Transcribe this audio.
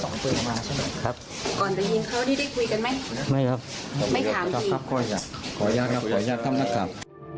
ขออนุญาตนะครับขออนุญาตท่ำนักกราฟ